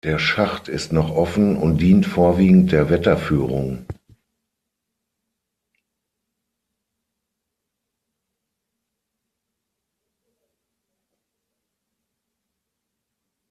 Der Schacht ist noch offen und dient vorwiegend der Wetterführung.